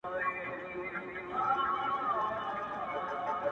بېشکه مرګه چي زورور یې!.